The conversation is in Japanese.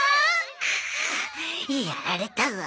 クッやられたわ！